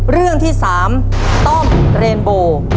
เรื่องที่๓ต้อมเรนโบ